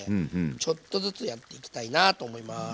ちょっとずつやっていきたいなと思います。